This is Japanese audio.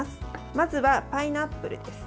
まずはパイナップルです。